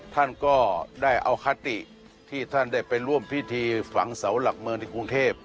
ท่านก็ได้เอาคติที่ท่านได้ไปร่วมพิธีฝังเสาหลักเมืองที่กรุงเทพ